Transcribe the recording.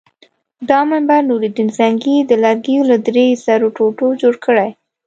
دا منبر نورالدین زنګي د لرګیو له درې زرو ټوټو جوړ کړی.